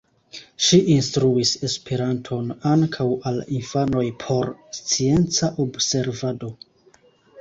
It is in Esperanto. Ŝi instruis Esperanton ankaŭ al infanoj por scienca observado.